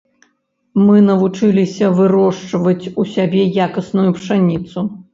Мы навучыліся вырошчваць у сябе якасную пшаніцу.